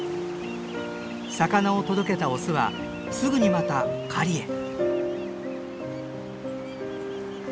魚を届けたオスはすぐにまた狩りへ。